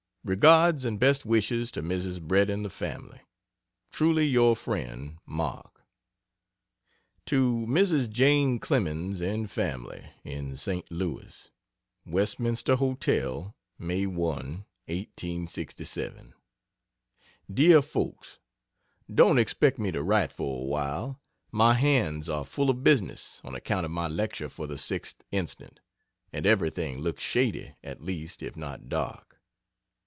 Regards and best wishes to Mrs. Bret and the family. Truly Yr Friend MARK. To Mrs. Jane Clemens and family, in St. Louis: WESTMINSTER HOTEL, May 1, 1867. DEAR FOLKS, Don't expect me to write for a while. My hands are full of business on account of my lecture for the 6th inst., and everything looks shady, at least, if not dark.